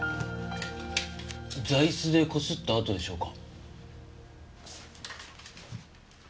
座いすでこすった跡でしょうか？